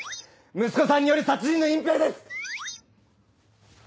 息子さんによる殺人の隠蔽です！